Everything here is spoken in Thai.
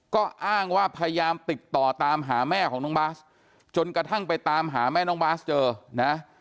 ก็อ้างว่าพยายามติดต่อตามหาแม่ของน้องบาสจนกระทั่งไปตามหาแม่น้องบาสเจอนะ